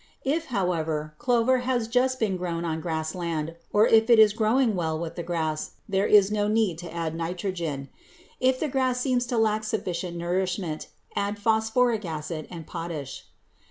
If, however, clover has just been grown on grass land or if it is growing well with the grass, there is no need to add nitrogen. If the grass seems to lack sufficient nourishment, add phosphoric acid and potash.